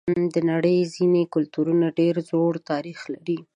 د نړۍ ځینې کلتورونه ډېر زوړ تاریخ لري.